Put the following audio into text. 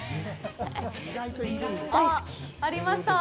あっ、ありました。